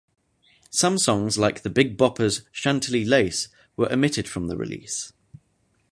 Some songs like The Big Bopper's "Chantilly Lace" were omitted from the release.